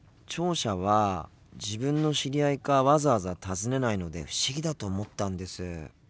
聴者は自分の知り合いかわざわざ尋ねないので不思議だと思ったんです。